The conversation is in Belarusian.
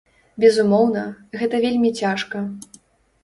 Безумоўна, гэта вельмі цяжка.